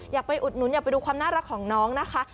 อยากไปอุดหนุนอยากไปดูความน่ารักของน้องนะคะ